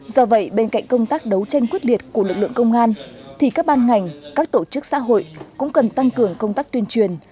do vậy bên cạnh công tác đấu tranh quyết liệt của lực lượng công an thì các ban ngành các tổ chức xã hội cũng cần tăng cường công tác tuyên truyền